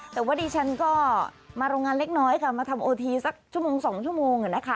แต่ว่าดิฉันก็มาโรงงานเล็กน้อยค่ะมาทำโอทีสักชั่วโมง๒ชั่วโมง